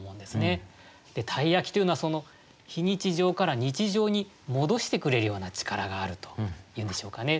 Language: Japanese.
鯛焼というのはその非日常から日常に戻してくれるような力があるというんでしょうかね。